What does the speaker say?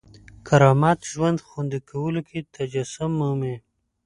کرامت ژوند خوندي کولو کې تجسم مومي.